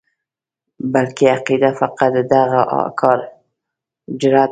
بلکې عقیده فقط د دغه کار جرأت درکوي.